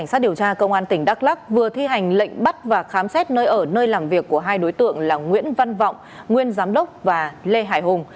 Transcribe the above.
cảnh sát điều tra công an tỉnh đắk lắc vừa thi hành lệnh bắt và khám xét nơi ở nơi làm việc của hai đối tượng là nguyễn văn vọng nguyên giám đốc và lê hải hùng